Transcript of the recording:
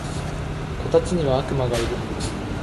こたつには悪魔がいる